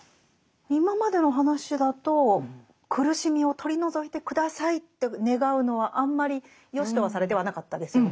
今までの話だと苦しみを取り除いて下さいって願うのはあんまりよしとはされてはなかったですよね。